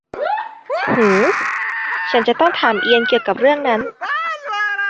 หืม ฉันจะต้องถามเอียนเกี่ยวกับเรื่องนั้น